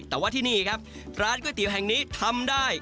แต่ว่าที่นี่ครับร้านก๋วยเตี๋ยวแห่งนี้ทำได้